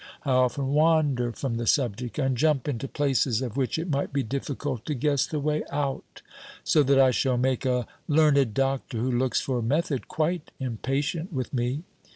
I often wander from the subject, and jump into places of which it might be difficult to guess the way out; so that I shall make a learned doctor who looks for method quite impatient with me."